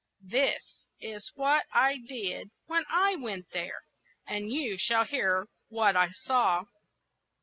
This is what I did when I went there, and you shall hear what I saw.